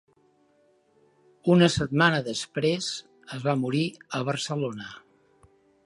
Una setmana després, es va morir a Barcelona.